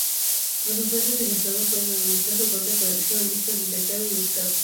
Los usuarios registrados pueden administrar su propia colección, listas de intercambio y buscadas.